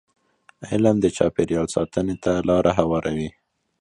علم د چاپېریال ساتنې ته لاره هواروي.